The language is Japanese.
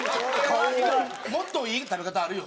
もっといい食べ方あるよ